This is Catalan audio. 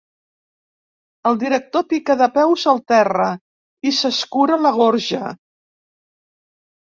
El director pica de peus al terra i s'escura la gorja.